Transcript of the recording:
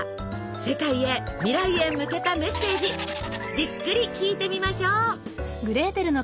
世界へ未来へ向けたメッセージじっくり聞いてみましょう！